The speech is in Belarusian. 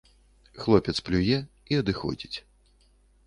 Хлопец плюе і адыходзіць.